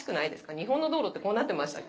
日本の道路ってこうなってましたっけ？